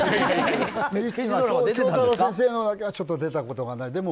京太郎先生のだけはちょっと出たことがない。